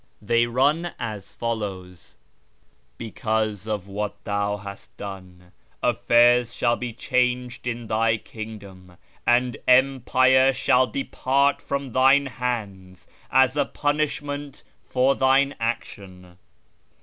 They rim as follows :—" Because of what thou hast done, affairs shall be changed in thy kingdom, and emi)ire shall depart from thine hands, as a punishment for thine action.